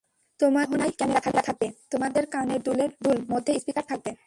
তোমাদের গহনায় ক্যামেরা থাকবে, তোমাদের কানের দুল মধ্যে স্পিকার থাকবে।